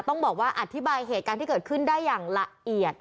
ต้องบอกว่าอธิบายเหตุการณ์ที่เกิดขึ้นได้อย่างละเอียด